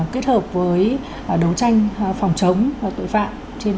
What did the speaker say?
kết hợp với đấu tranh phòng chống và tội phạm